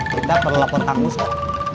kita perlu lepot tanggus kok